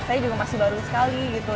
saya juga masih baru sekali gitu